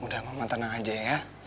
udah mama tenang aja ya